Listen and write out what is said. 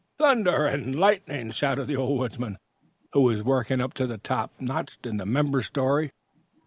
"Thunder and lightning!" shouted the old woodsman, who was worked up to the top notch in the "member's" story.